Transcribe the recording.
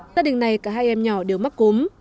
tất đình này cả hai em nhỏ đều mắc cúm